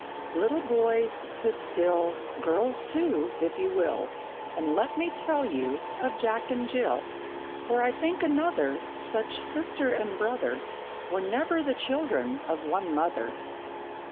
Little boys, sit still Girls, too, if you will And let me tell you of Jack and Jill; For I think another Such sister and brother Were never the children of one mother!